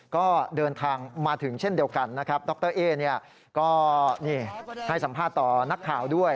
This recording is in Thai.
ก็เดินทางมาถึงเช่นเดียวกันนะครับดรเอ๊ก็ให้สัมภาษณ์ต่อนักข่าวด้วย